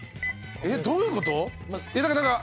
えっどういうこと？だから。